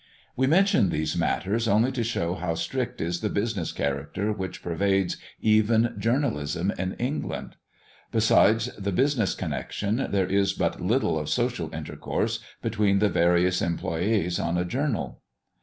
We mention these matters only to show how strict is the business character which pervades even journalism in England. Besides the business connection, there is but little of social intercourse between the various employés on a journal.